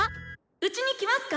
⁉うちに来ますか